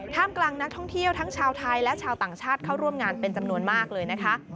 กำลังนักท่องเที่ยวทั้งชาวไทยและชาวต่างชาติเข้าร่วมงานเป็นจำนวนมากเลยนะคะ